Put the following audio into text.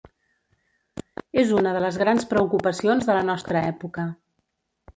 És una de les grans preocupacions de la nostra època.